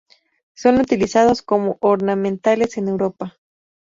Son utilizados como ornamentales en Europa.